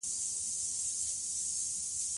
انسان پنځه حسونه لری